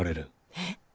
えっ。